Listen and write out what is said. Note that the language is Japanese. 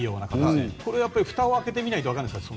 ふたを開けてみないとわからないんですか？